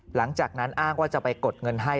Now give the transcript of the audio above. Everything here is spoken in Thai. หลังจากนั้นอ้างว่าจะไปกดเงินให้